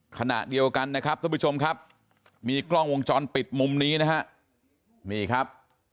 ขณะเดียวกันนะครับท่านผู้ชมครับมีกล้องวงจรปิดมุมนี้นะฮะนี่ครับ